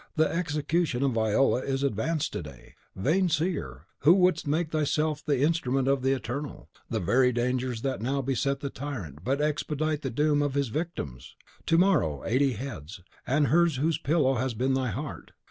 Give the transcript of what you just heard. The execution of Viola is advanced a day. Vain seer, who wouldst make thyself the instrument of the Eternal, the very dangers that now beset the tyrant but expedite the doom of his victims! To morrow, eighty heads, and hers whose pillow has been thy heart!